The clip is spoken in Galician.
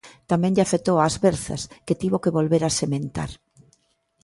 Tamén lle afectou ás verzas, que tivo que volver a sementar.